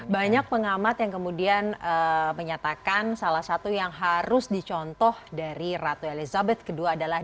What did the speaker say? banyak pengamat yang kemudian menyatakan salah satu yang harus dicontoh dari ratu elizabeth ii adalah